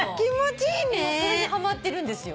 今それにはまってるんですよ。